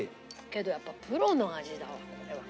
けどやっぱプロの味だわこれは。